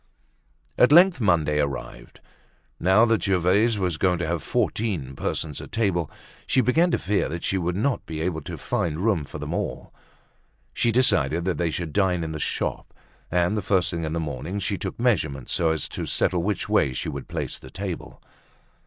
At length Monday arrived. Now that Gervaise was going to have fourteen persons at table, she began to fear that she would not be able to find room for them all. She decided that they should dine in the shop; and the first thing in the morning she took measurements so as to settle which way she should place the table.